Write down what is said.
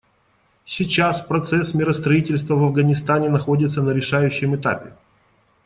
Сейчас процесс миростроительства в Афганистане находится на решающем этапе.